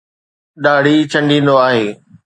ڏاڙهي ڇنڊيندو آهي.